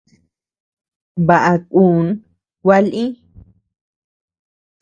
Baʼa kun gua lï.